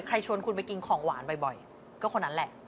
ชวนคุณไปกินของหวานบ่อยก็คนนั้นแหละ